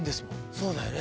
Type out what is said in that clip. そうだよね。